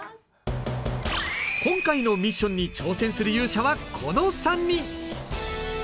今回ミッションに挑戦する勇者はこの３人。